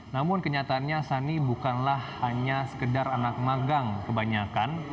namun kenyataannya sani bukanlah hanya sekedar anak magang kebanyakan